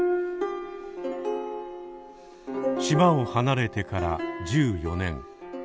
島を離れてから１４年。